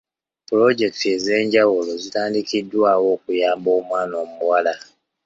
Pulojekiti ez'enjawulo zitandikiddwawo okuyamba omwana omuwala.